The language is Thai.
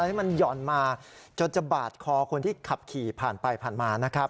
ที่มันหย่อนมาจนจะบาดคอคนที่ขับขี่ผ่านไปผ่านมานะครับ